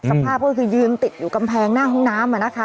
สภาพก็คือยืนติดอยู่กำแพงหน้าห้องน้ำ